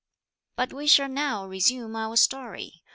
But we shall now resume our story.